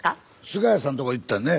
菅谷さんのとこ行ったよね。